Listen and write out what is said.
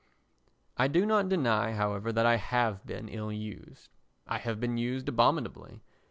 I do not deny, however, that I have been ill used. I have been used abominably.